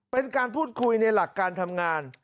เป็นการพูดคุยในหลักการทำงาน